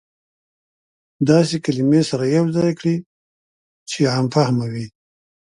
داسې کلمې سره يو ځاى کړى چې عام فهمه وي.